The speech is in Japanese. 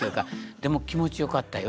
でも気持ち良かったよ。